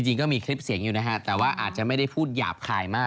จริงก็มีคลิปเสียงอยู่นะฮะแต่ว่าอาจจะไม่ได้พูดหยาบคายมาก